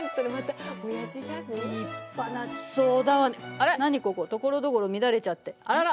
あら何ここところどころ乱れちゃってあらら！